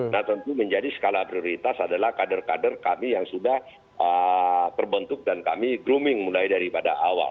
nah tentu menjadi skala prioritas adalah kader kader kami yang sudah terbentuk dan kami grooming mulai daripada awal